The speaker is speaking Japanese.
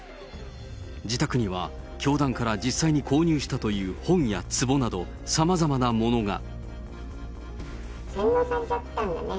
自宅には、教団から実際に購入したという本やつぼなど、さまざまなものが。